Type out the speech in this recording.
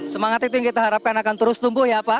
semangat itu yang kita harapkan akan terus tumbuh ya pak